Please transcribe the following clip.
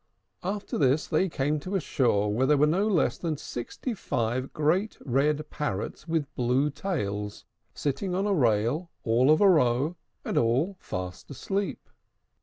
After this they came to a shore where there were no less than sixty five great red parrots with blue tails, sitting on a rail all of a row, and all fast asleep.